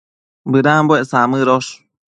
Bëdambuec samëdosh